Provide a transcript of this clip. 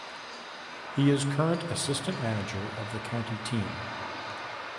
He is current assistant manager of the county team.